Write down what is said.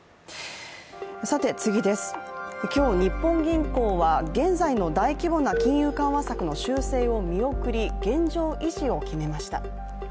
今日、日本銀行は現在の大規模な金融緩和策の修正を見送り現状維持を決めました。